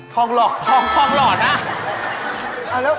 ทองหลอดครับทองหลอดนะครับ